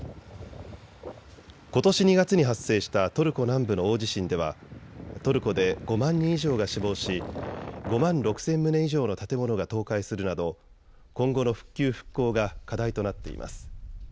ことし２月に発生したトルコ南部の大地震ではトルコで５万人以上が死亡し５万６０００棟以上の建物が倒壊するなど今後の復旧・復興が課題となっています。